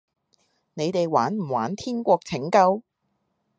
你哋玩唔玩天國拯救？